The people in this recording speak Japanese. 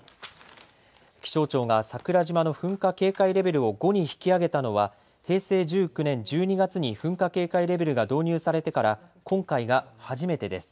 気象庁が桜島の噴火警戒レベルを５に引き上げたのは平成１９年１２月に噴火警戒レベルが導入されてから今回が初めてです。